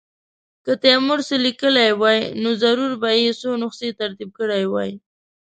که تیمور څه لیکلي وای نو ضرور به یې څو نسخې ترتیب کړې وای.